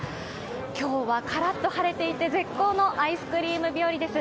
今日はカラッと晴れていて絶好のアイスクリーム日和です。